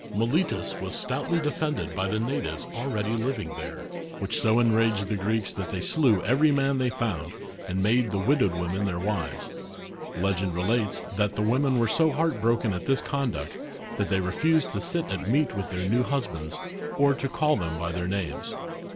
Miletus was stoutly defended by the natives already living there, which so enraged the Greeks that they slew every man they found and made the widowed women their wiv^s. Legend relates, that the women were so heart broken at this conduct, that they refused to sit at meat .with their new hus bands, or to call them by their names.